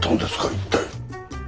一体。